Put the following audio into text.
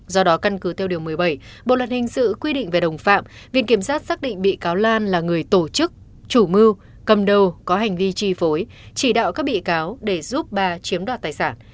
do đó căn cứ theo điều một mươi bảy bộ luật hình sự quy định về đồng phạm viện kiểm sát xác định bị cáo lan là người tổ chức chủ mưu cầm đầu có hành vi chi phối chỉ đạo các bị cáo để giúp bà chiếm đoạt tài sản